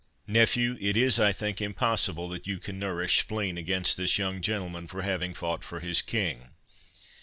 —Nephew, it is, I think, impossible that you can nourish spleen against this young gentleman for having fought for his king.